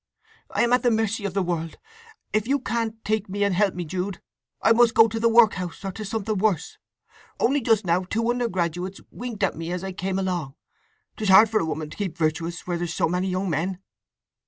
I am at the mercy of the world! If you can't take me and help me, Jude, I must go to the workhouse, or to something worse. Only just now two undergraduates winked at me as I came along. 'Tis hard for a woman to keep virtuous where there's so many young men!"